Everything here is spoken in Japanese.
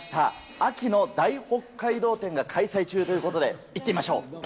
秋の大北海道店が開催中ということで、行ってみましょう。